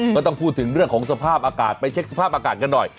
ก็ต้องพูดถึงเรื่องของสภาพอากาศไปเช็คสภาพอากาศกันหน่อย